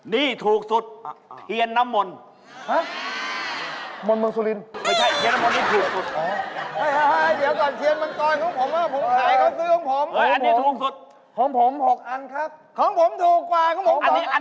นี่ถูกสุด